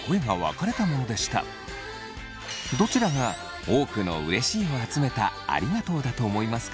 どちらが多くのうれしいを集めたありがとうだと思いますか？